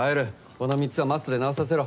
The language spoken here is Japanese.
この３つはマストで直させろ